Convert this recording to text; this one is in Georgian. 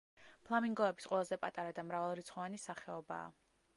ფლამინგოების ყველაზე პატარა და მრავალრიცხვოვანი სახეობაა.